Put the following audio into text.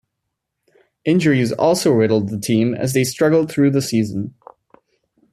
Injuries also riddled the team as they struggled through the season.